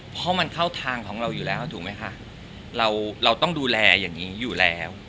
เพราะมันเข้าทางของเราอยู่แล้วถูกไหมคะเราเราต้องดูแลอย่างนี้อยู่แล้ว